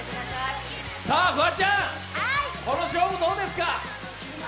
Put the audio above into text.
フワちゃん、この勝負、どうですか？